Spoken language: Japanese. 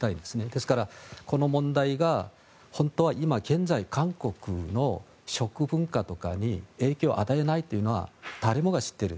ですから、この問題が本当は今現在韓国の食文化とかに影響を与えないというのは誰もが知っている。